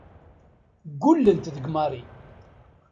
Ggullent deg Mary.